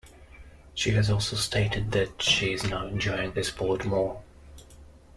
She has also stated that she is now enjoying the sport more.